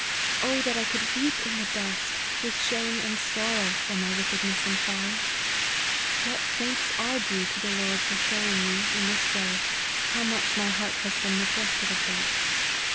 O that I could weep in the dust, with shame and sorrow, for my wickedness and folly ! Yet thanks are due to the Lord for showing me, in this way, how much my heart has been neglected of late.